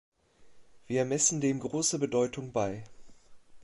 Wir messen dem große Bedeutung bei.